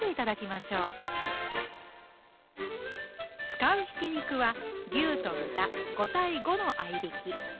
使うひき肉は牛と豚５対５の合いびき。